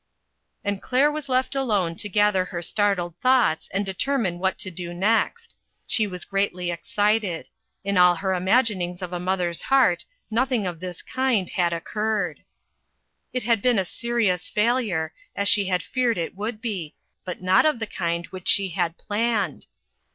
And Claire was left alone to gather her startled thoughts and determine what to do next. She was greatly excited. In all her imaginings of a mother's heart, nothing of this kind had occurred. It had been a serious failure, as she had feared it would be, but not of the kind which she had planned.